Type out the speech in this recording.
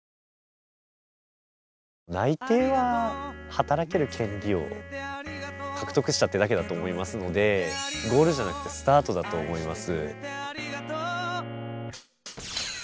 内定は働ける権利を獲得したってだけだと思いますのでゴールじゃなくてスタートだと思います。